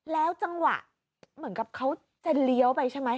แล้วจังหวะเหมือนกับเขาจะเลี้ยวไปใช่ไหม